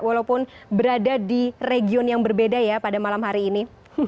walaupun berada di region yang berbeda ya pada malam hari ini